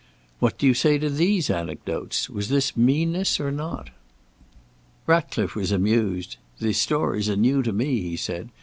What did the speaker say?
What do you say to these anecdotes? Was this meanness or not?" Ratcliffe was amused. "The stories are new to me," he said.